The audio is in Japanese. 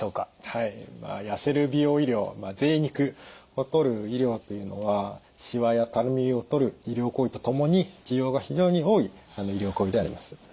はい痩せる美容医療ぜい肉をとる医療というのはしわやたるみをとる医療行為とともに需要が非常に多い医療行為であります。